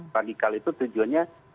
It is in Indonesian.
radikal itu tujuannya